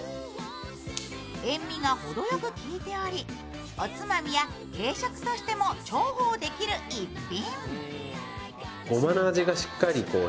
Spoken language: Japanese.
塩味がほどよく効いており、おつまみや軽食としても重宝できる逸品。